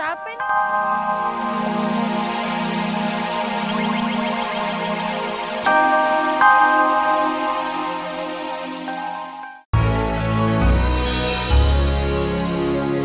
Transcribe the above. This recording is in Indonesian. apa yang terjadi